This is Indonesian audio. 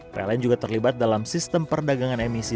pln juga terlibat dalam sistem perdagangan emisi